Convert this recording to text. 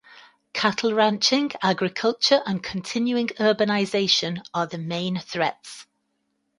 Cattle ranching, agriculture and continuing urbanization are the main threats.